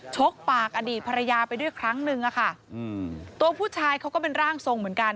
ชกปากอดีตภรรยาไปด้วยครั้งหนึ่งอะค่ะอืมตัวผู้ชายเขาก็เป็นร่างทรงเหมือนกัน